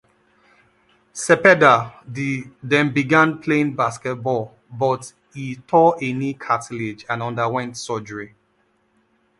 Cepeda then began playing basketball, but he tore a knee cartilage and underwent surgery.